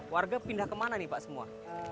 warga pindah kemana nih pak semua